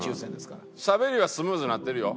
しゃべりはスムーズになってるよ。